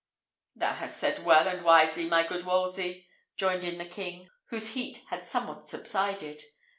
"Thou hast said well and wisely, my good Wolsey," joined in the king, whose heat had somewhat subsided.